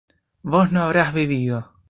¿vos no habrás bebido?